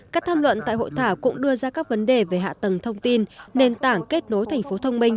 cận tại hội thảo cũng đưa ra các vấn đề về hạ tầng thông tin nền tảng kết nối thành phố thông minh